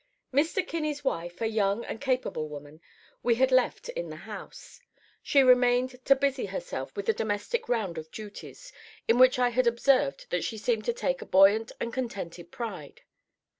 Mr. Kinney's wife, a young and capable woman, we had left in the house. She remained to busy herself with the domestic round of duties, in which I had observed that she seemed to take a buoyant and contented pride.